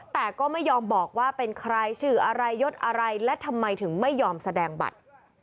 แต่ก็ไม่ยอมบอกว่าเป็นใครชื่ออะไรยดอะไรและทำไมถึงไม่ยอมแสดงบัตร